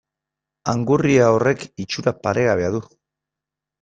Angurria horrek itxura paregabea du.